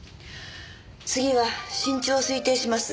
次は身長を推定します。